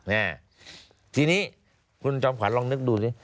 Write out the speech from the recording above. อ่าทีนี้คุณจอมขวัญลองนึกดูสิ